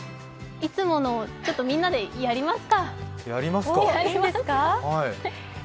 いつもの、ちょっとみんなでやりますか。